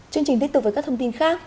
chương trình tiếp tục với các thông tin khác